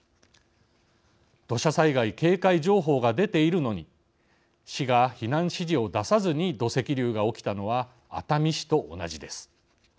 土砂災害警戒情報が出ているのに市が避難指示を出さずに土石流が起きたのは熱海市と同じです。